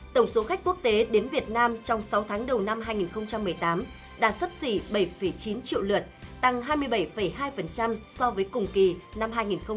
tổng số khách quốc tế đến việt nam trong sáu tháng đầu năm hai nghìn một mươi tám đạt sấp xỉ bảy chín triệu lượt tăng hai mươi bảy hai so với cùng kỳ năm hai nghìn một mươi bảy